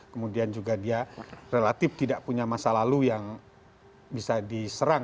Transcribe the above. kemudian juga dia relatif tidak punya masa lalu yang bisa diserang